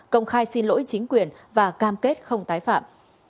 công khai xin lỗi chính quyền và cam kết không tái phạm